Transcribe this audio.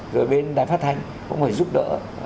rồi bên đài phát thanh cũng phải giúp đỡ